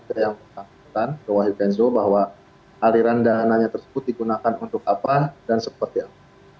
dan kami juga mengatakan ke wahyu kenzo bahwa aliran dananya tersebut digunakan untuk apa dan seperti apa